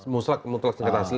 buklak sengketa hasil